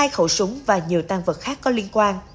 hai khẩu súng và nhiều tăng vật khác có liên quan